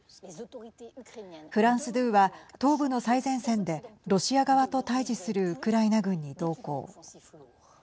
フランス２は東部の最前線でロシア側と対じするウクライナ軍に同行。